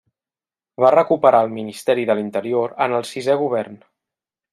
Va recuperar el Ministeri de l'Interior en el sisè govern.